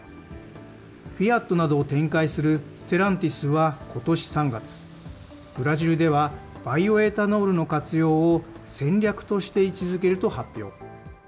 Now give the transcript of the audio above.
フィアットなどを展開するステランティスはことし３月、ブラジルでは、バイオエタノールの活用を戦略として位置づけると発表。